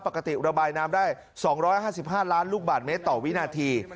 ปกติระบายน้ำได้สองร้อยห้าสิบห้าล้านลูกบาทเมตรต่อวินาที